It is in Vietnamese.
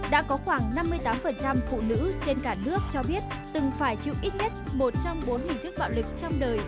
đã có khoảng năm mươi tám phụ nữ trên cả nước cho biết từng phải chịu ít nhất một trong bốn hình thức bạo lực trong đời